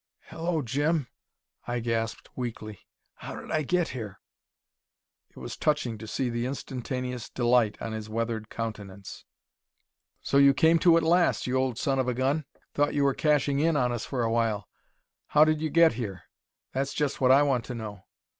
"Hello, Jim," I gasped weakly. "How did I get here?" It was touching to see the instantaneous delight on his weathered countenance. "So you came to at last, you old son of a gun! Thought you were cashing in on us for a while. How did you get here? That's just what I want to know.